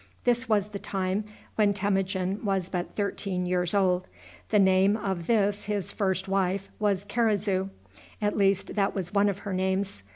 This was the time when Temujin was but thirteen years old. The name of this his first wife was Karizu at least that was one of her names.